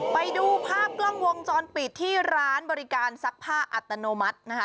ไปดูภาพกล้องวงจรปิดที่ร้านบริการซักผ้าอัตโนมัตินะคะ